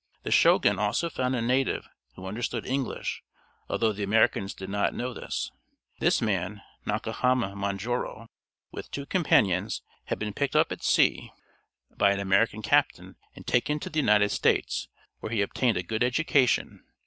The Shogun also found a native who understood English, although the Americans did not know this. This man, Nakahama Manjiro, with two companions, had been picked up at sea by an American captain, and taken to the United States, where he obtained a good education.